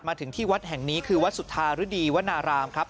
มาถึงที่วัดแห่งนี้คือวัดสุธารดีวนารามครับ